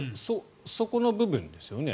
そこの部分ですよね。